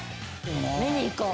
見に行こう。